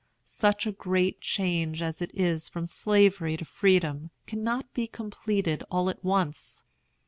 Such a great change as it is from Slavery to Freedom cannot be completed all at once.